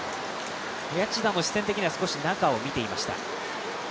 谷内田も視線的には少し中を見ていました。